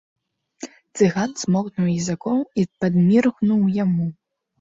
Цыган цмокнуў языком і падміргнуў яму.